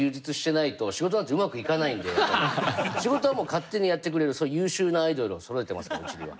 仕事はもう勝手にやってくれる優秀なアイドルをそろえてますからうちには。